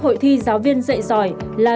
hội thi giáo viên dạy giỏi là